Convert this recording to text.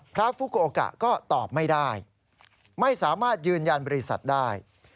ฟุโกโอกะก็ตอบไม่ได้ไม่สามารถยืนยันบริษัทได้